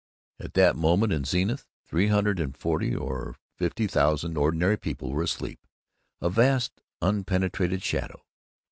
At that moment in Zenith, three hundred and forty or fifty thousand Ordinary People were asleep, a vast unpenetrated shadow.